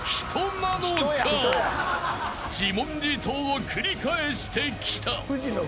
［自問自答を繰り返してきた］